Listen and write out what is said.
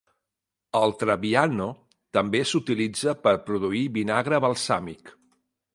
El trebbiano també s'utilitza per produir vinagre balsàmic.